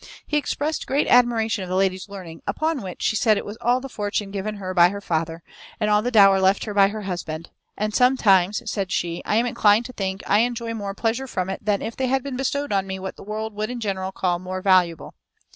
He expressed great admiration of the lady's learning; upon which she said it was all the fortune given her by her father, and all the dower left her by her husband; "and sometimes," said she, "I am inclined to think I enjoy more pleasure from it than if they had bestowed on me what the world would in general call more valuable."